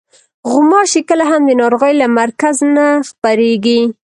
غوماشې کله هم د ناروغۍ له مرکز نه خپرېږي.